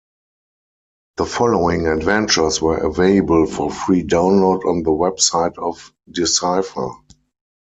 The following adventures were available for free download on the website of Decipher.